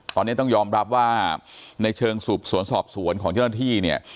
ตอนนี้ต้องยอมรับว่าในเชิงสืบสวนสอบสวนของเจ้าหน้าที่เนี่ย